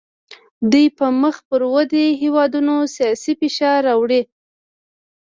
دوی په مخ پر ودې هیوادونو سیاسي فشار راوړي